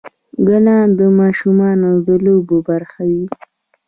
ګلان د ماشومانو د لوبو برخه وي.